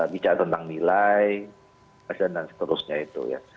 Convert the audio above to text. bicara tentang nilai dan seterusnya itu ya